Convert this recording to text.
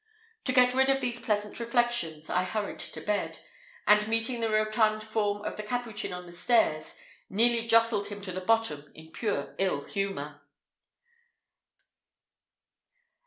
To get rid of these pleasant reflections, I hurried to bed; and meeting the rotund form of the Capuchin on the stairs, nearly jostled him to the bottom in pure ill humour.